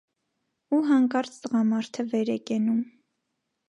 Ու հանկարծ տղամարդը վեր է կենում։